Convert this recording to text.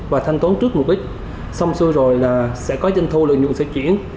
và thanh toán trước một ích xong xui rồi là sẽ có doanh thu lợi nhuận sẽ chuyển